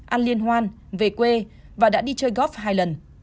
ăn liên hoan về quê và đã đi chơi góp hai lần